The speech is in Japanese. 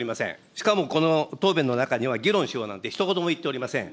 しかもこの答弁の中には議論しようなんてひと言も言っておりません。